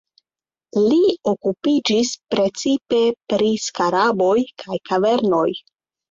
Li okupiĝis precipe pri skaraboj kaj kavernoj.